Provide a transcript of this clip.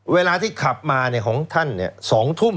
เวลาที่ขับมาของท่าน๒ทุ่ม